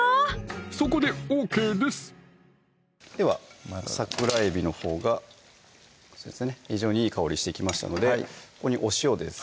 そこでＯＫですでは桜えびのほうが非常にいい香りしてきましたのでここにお塩です